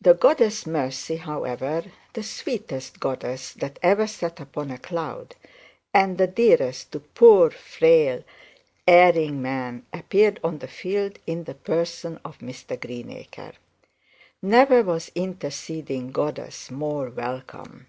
The goddess Mercy, however, the sweetest goddess that ever sat upon a cloud, and the dearest to poor frail erring man appeared on the field in the person of Mr Greenacre. Never was interceding goddess more welcome.